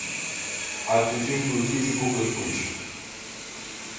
A detención produciuse pouco despois.